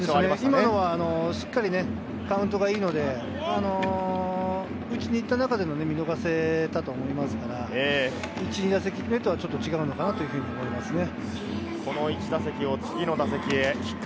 今のしっかりカウントがいいので、打ちにいった中での見逃せたと思いますから、１打席目、２打席目とはちょっと違うのかなというふうに思いますね。